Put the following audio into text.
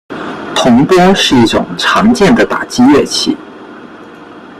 铜钹是一种常见的打击乐器。